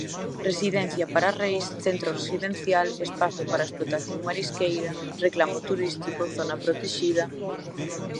Residencia para reis, centro residencial, espazo para a explotación marisqueira, reclamo turístico, zona protexida...